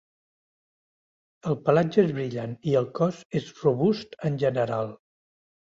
El pelatge és brillant i el cos és robust en general.